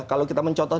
kalau kita mencontoh